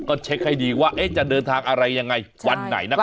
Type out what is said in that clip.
ก็เช็คให้ดีว่าจะเดินทางอะไรยังไงวันไหนนะครับ